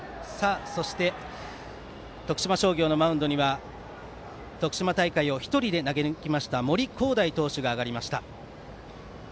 そして、徳島商業のマウンドには徳島大会を１人で投げ抜きました森煌誠投手が上がりました。